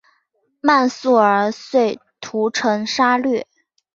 满速儿遂屠城杀掠。